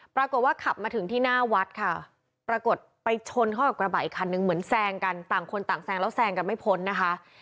ปรากฏว่าขับมาถึงที่หน้าวัดค่ะปรากฏไปชนเข้ากับกระบะอีกคันนึงเหมือนแซงกันต่างคนต่างแซงแล้วแซงกันไม่พ้นนะคะ